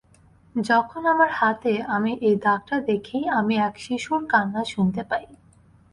যখন আমার হাতে আমি এই দাগ-টা দেখি, আমি এক শিশুর কান্না শুনতে পাই।